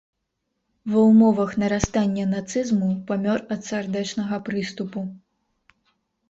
Ва ўмовах нарастання нацызму памёр ад сардэчнага прыступу.